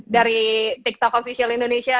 dari tiktok official indonesia